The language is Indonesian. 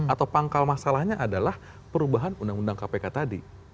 atau pangkal masalahnya adalah perubahan undang undang kpk tadi